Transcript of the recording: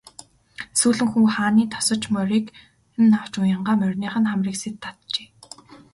Сүүлэн хүү хааны тосож морийг нь авч уянгаа мориных нь хамрыг сэт татжээ.